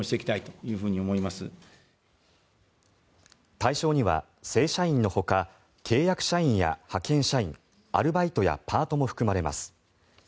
対象には正社員のほか契約社員や派遣社員アルバイトやパートも含まれます。